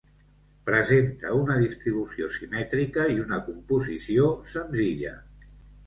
Presenta una distribució simètrica i una composició senzilla.